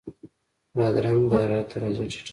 بادرنګ د حرارت درجه ټیټوي.